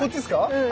うん。